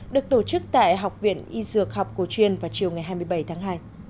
được tổ chức tại học viện y dược học cổ truyền vào chiều ngày hai mươi bảy tháng hai